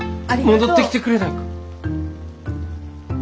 戻ってきてくれないか？